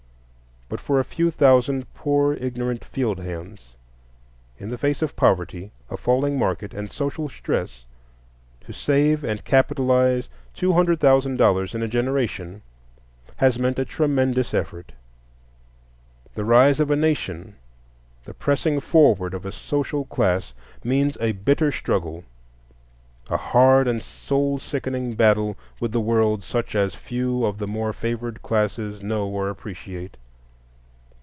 But for a few thousand poor ignorant field hands, in the face of poverty, a falling market, and social stress, to save and capitalize two hundred thousand dollars in a generation has meant a tremendous effort. The rise of a nation, the pressing forward of a social class, means a bitter struggle, a hard and soul sickening battle with the world such as few of the more favored classes know or appreciate.